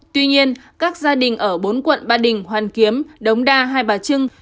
tuy nhiên các gia đình ở bốn quận ba đình hoàn kiếm đống đa hai bà trưng